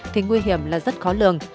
thì nguy hiểm lắm